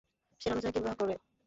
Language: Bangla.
সে রণজয় কে বিবাহ করে।